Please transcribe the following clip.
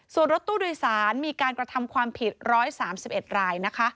ส่วนรถตู้โดยสารมีการกระทำความผิด๑๓๑รายนะคะ